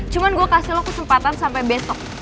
cuma gue kasih lo kesempatan sampai besok